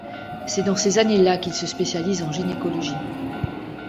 C'est dans ces années là qu'il se spécialise en gynécologie.